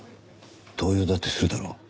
動揺だってするだろう。